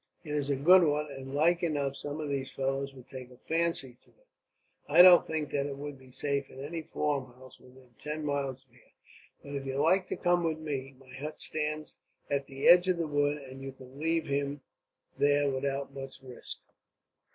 It is a good one and, like enough, some of these fellows would take a fancy to it." "I don't think that it would be safe in any farmhouse within ten miles of here; but if you like to come with me, my hut stands at the edge of a wood, and you could leave him there without much risk."